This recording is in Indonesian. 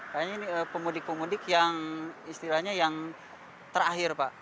kayaknya ini pemudik pemudik yang istilahnya yang terakhir pak